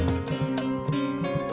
aduh aduh aduh